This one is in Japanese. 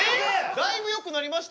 だいぶよくなりましたよ？